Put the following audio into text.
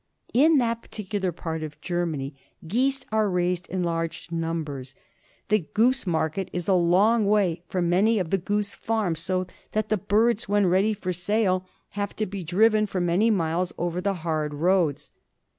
In that particular part of Germany geese are raised in large numbers. The goose market is a long way from many of the goose farms, so that the birds when ready for sale have to be driven for many miles, over the hard roads.